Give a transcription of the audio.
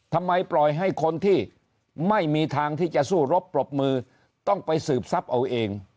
ทำไมปล่อยให้คนที่ไม่มีทางที่จะสู้รบปรบมือต้องไปสืบทรัพย์เอาเอง